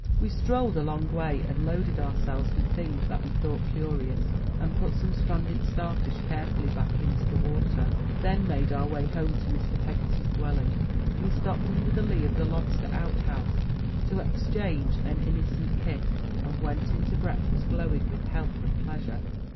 We strolled a long way, and loaded ourselves with things that we thought curious, and put some stranded star fish carefully back into the water, then made our way home to Mr. Peggotty*s dwelling. We stopped under the lee of the lobster out house to exchange an innocent kiss, and went in to breakfast glowing with health and pleasure.